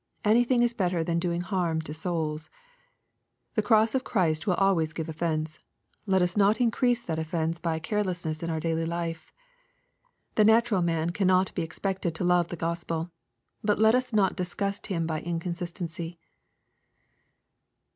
Anything is better than doing harm to souls. The cross of Christ will always give offence. Let us not increase that offence by carelessness in our daily life. The natural man cannot be expected to love the GospeL But let us not disgust him by inconsistency.